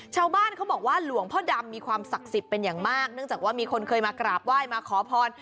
ชาวบ้านเขาบอกว่าหลวงพ่อดำมีความศักดิ์สิทธิ์เป็นอย่างมากเนื่องจากว่ามีคนเคยมากราบไหว้มาขอพร